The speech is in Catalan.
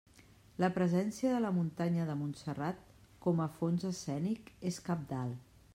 La presència de la muntanya de Montserrat com a fons escènic és cabdal.